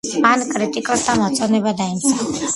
მან კრიტიკოსთა მოწონება დაიმსახურა.